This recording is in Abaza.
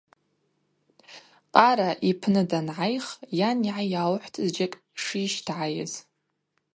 Къара йпны дангӏайх йан йгӏайалхӏвтӏ зджьакӏ шйыщтагӏайыз.